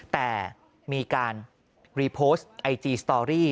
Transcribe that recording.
แต่มีการรีโพสต์ไอจีสตอรี่